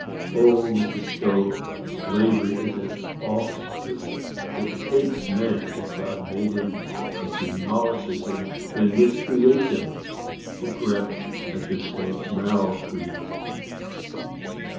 O, Mrs. Stowe, slavery is an awful system! It takes man as God made him; it demolishes him, and then mis creates him, or perhaps I should say mal creates him!